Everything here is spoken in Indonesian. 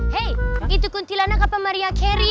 hei itu kuntilanak apa maria carey